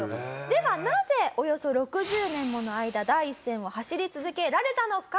ではなぜおよそ６０年もの間第一線を走り続けられたのか？